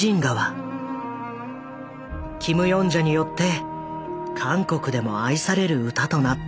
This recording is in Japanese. キム・ヨンジャによって韓国でも愛される歌となった。